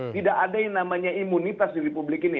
tidak ada yang namanya imunitas di republik ini